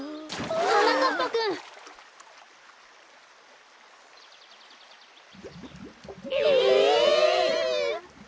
はなかっぱくん！え！？